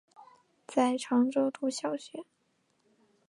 在常州读小学。